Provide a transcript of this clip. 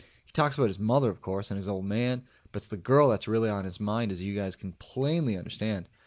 He talks about his mother, of course, and his old man, but it's the girl that's really on his mind as you guys can plainly understand.